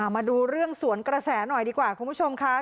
มาดูเรื่องสวนกระแสหน่อยดีกว่าคุณผู้ชมค่ะ